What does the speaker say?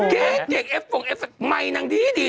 เก๊เก่งเอฟฝงเอฟฝงไม่นางดีเนาะ